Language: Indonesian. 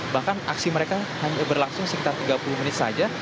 bahkan aksi mereka hanya berlangsung sekitar tiga puluh menit saja